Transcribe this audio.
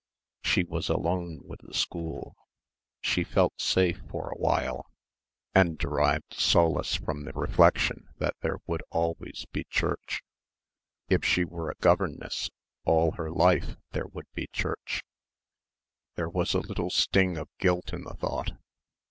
She was alone with the school. She felt safe for a while and derived solace from the reflection that there would always be church. If she were a governess all her life there would be church. There was a little sting of guilt in the thought.